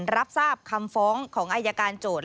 รับทราบคำฟ้องของอายการโจทย์